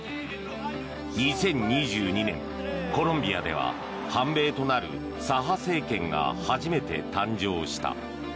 ２０２２年、コロンビアでは反米となる左派政権が初めて誕生した。